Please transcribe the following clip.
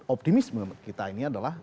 optimisme kita ini adalah